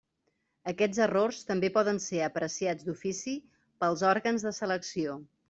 Aquests errors també poden ser apreciats d'ofici pels òrgans de selecció.